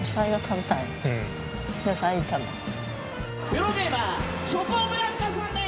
プロゲーマーチョコブランカさんです！